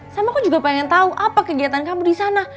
sama aku juga pengen tau apa kegiatan kamu disana